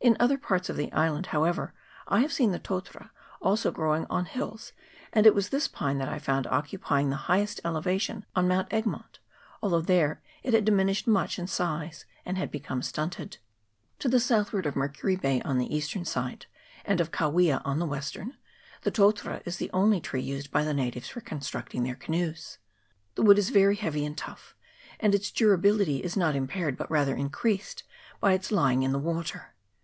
In other parts of the island, however, I have seen the totara also growing on hills, and it was this pine that I found occupying the highest elevation on Mount Egmont, although there it had diminished much in size, and had become stunted. To the southward of Mercury Bay, on the eastern coast, and of Kawia, on the western, the totara is the only tree used by 80 ERITONGA VALLEY. [PART I. the natives for constructing their canoes. The wood is very heavy and tough, and its durability is not impaired, but rather increased, by its lying in the water.